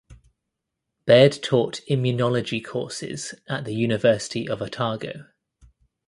Baird taught immunology courses at the University of Otago.